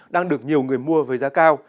đang được nhiều người mua với giá cao